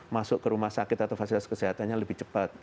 masuk ke rumah sakit atau fasilitas kesehatannya lebih cepat